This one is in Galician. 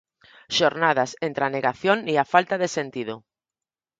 Xornadas entre a negación e a falta de sentido.